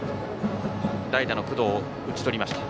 代打の工藤を打ち取りました。